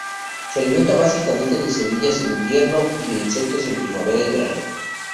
Se alimenta básicamente de semillas en invierno, y de insectos en primavera y verano.